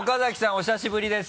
お久しぶりです。